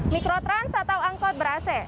mikrotrans atau angkot ber ac